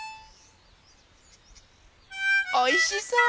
おいしそう。